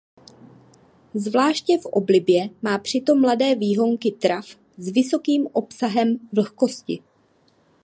Zvláště v oblibě má přitom mladé výhonky trav s vysokým obsahem vlhkosti.